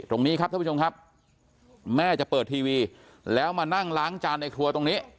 ตรงนี้ครับท่านผู้ชมครับแม่จะเปิดทีวีแล้วมานั่งล้างจานในครัวตรงนี้